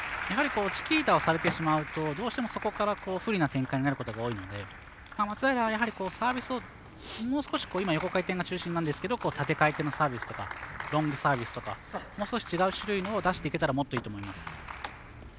やはりチキータをされてしまうとどうしてもそこから不利な展開になることが多いので、松平はサービスをもう少し今は横回転が中心ですが縦回転のサービスとかロングサービスとかもう少し違う種類のを出していけたらもっといいと思います。